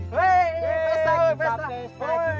wih pesta pesta